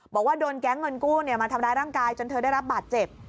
บอกว่าโดนแก๊งเงินกู้มาทำร้ายร่างกายจนเธอได้รับบาดเจ็บ